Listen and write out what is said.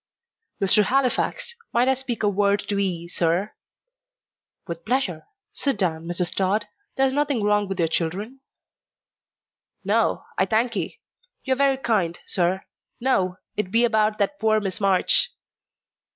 "Mr. Halifax, might I speak a word to 'ee, sir?" "With pleasure. Sit down, Mrs. Tod. There's nothing wrong with your children?" "No, I thank'ee. You are very kind, sir. No, it be about that poor Miss March."